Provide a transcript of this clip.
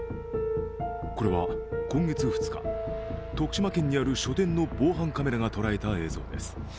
これは今月２日、徳島県にある書店の防犯カメラが捉えた映像です。